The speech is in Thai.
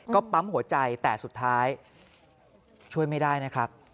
ก็ปั๊มหัวใจแต่สุดท้ายช่วยไม่ได้นะครับ